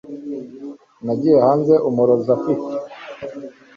nagiye hanze, umurozi ufite